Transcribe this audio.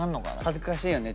恥ずかしいよね